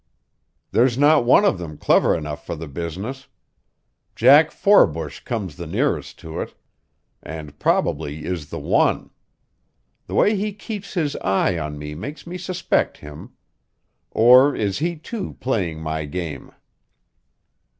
There's not one of them clever enough for the business. Jack Forbush comes the nearest to it, and probably is the one. The way he keeps his eye on me makes me suspect him. Or is he, too, playing my game?"